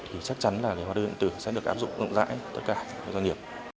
thì chắc chắn là cái hóa đơn điện tử sẽ được áp dụng rộng rãi tất cả doanh nghiệp